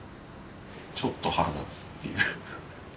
ちょっと腹立つっていう。